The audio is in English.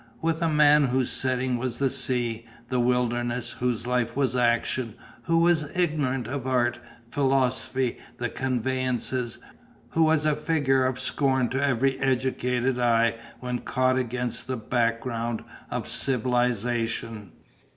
With a man whose setting was the sea, the wilderness, whose life was action, who was ignorant of art, philosophy, the convenances, who was a figure of scorn to every educated eye when caught against the background of Civilisation.